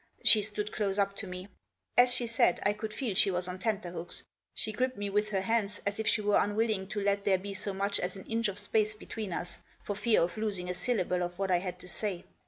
She stood close up to me. As she said, I could feel she was on tenterhooks. She gripped me with her hands, as if she were unwilling to let there be so much as an inch of space between us, for fear of losing a syllable of what I had to say.